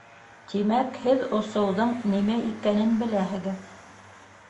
Тимәк, һеҙ осоуҙың нимә икәнен беләһегеҙ.